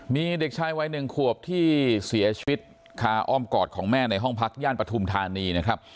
มีเด็กชายวัย๑ขวบที่เสียชีวิตคาอ้อมกอดของแม่ในห้องพักย่านปฐุมธานีนะครับ